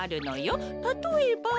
たとえば。